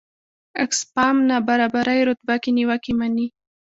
اکسفام نابرابرۍ رتبه کې نیوکې مني.